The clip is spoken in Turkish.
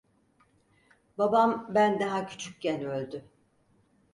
Babam, ben daha küçükken öldü.